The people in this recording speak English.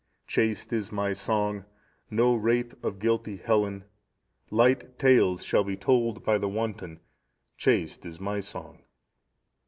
"Chaste is my song, no rape of guilty Helen; light tales shall be told by the wanton, chaste is my song.